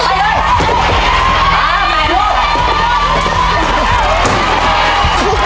มาใหม่ลูก